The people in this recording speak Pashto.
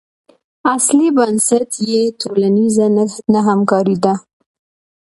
اصلي بنسټ یې ټولنیزه نه همکاري ده.